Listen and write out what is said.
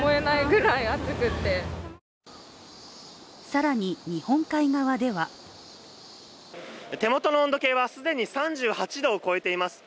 更に日本海側では手元の温度計は既に３８度を超えています。